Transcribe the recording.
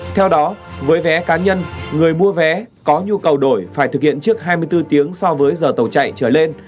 theo đó với vé cá nhân người mua vé có nhu cầu đổi phải thực hiện trước hai mươi bốn tiếng so với giờ tàu chạy trở lên